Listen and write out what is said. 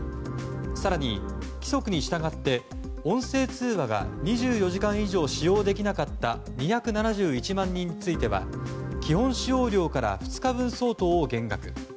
更に、規則に従って音声通話が２４時間以上使用できなかった２７１万人については基本使用料から２日分相当を減額。